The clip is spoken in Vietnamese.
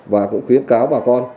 và cũng khuyến cáo bà con